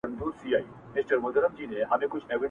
چي نوبت د عزت راغی په ژړا سو٫